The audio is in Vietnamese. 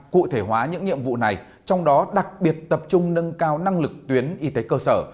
cụ thể hóa những nhiệm vụ này trong đó đặc biệt tập trung nâng cao năng lực tuyến y tế cơ sở